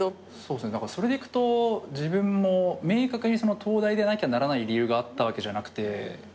それでいくと自分も明確に東大でなきゃならない理由があったわけじゃなくて。